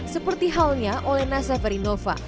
seperti halnya oleh nasef erinova